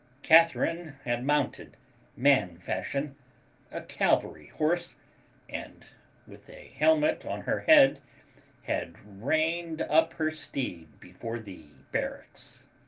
Catharine had mounted, man fashion, a cavalry horse, and, with a helmet on her head, had reined up her steed before the barracks.